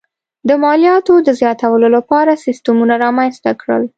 د مالیاتو د زیاتولو لپاره سیستمونه رامنځته کړل.